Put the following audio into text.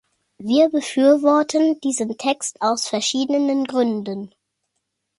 Wir befürworten diesen Text aus verschiedenen Gründen.